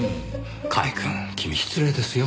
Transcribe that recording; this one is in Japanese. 甲斐くん君失礼ですよ。